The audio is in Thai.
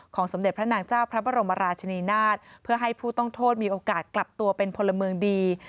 สมเด็จพระนางเจ้าพระบรมราชนีนาฏเพื่อให้ผู้ต้องโทษมีโอกาสกลับตัวเป็นพลเมืองดี